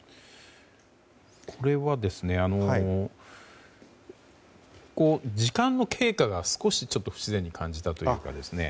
これは時間の経過が少し不自然に感じたというか。